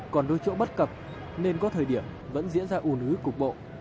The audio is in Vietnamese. còn đôi chỗ bất cập nên có thời điểm vẫn diễn ra ủn ủi cục bộ